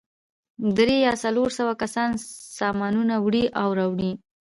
درې یا څلور سوه کسان سامانونه وړي او راوړي.